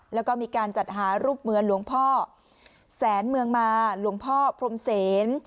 แล้วก็มีการจัดหารูปเหมือนหลวงพ่อแสนเมืองมาหลวงพ่อพรมเสน